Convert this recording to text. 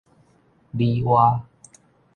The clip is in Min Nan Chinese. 女媧